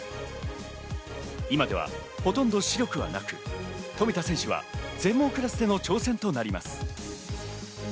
今ではほとんど視力はなく、富田選手は全盲クラスでの挑戦となります。